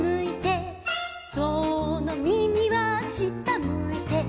「ぞうのみみは下むいて」